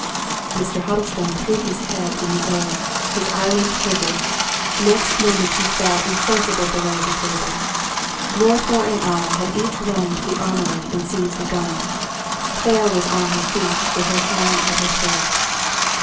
Mr. Huddlestone threw his head in the air; his eyelids quivered; next moment he fell insensible below the table. Northmour and I had each run to the armory and seized a gun. Clara was on her feet with her hand at her throat.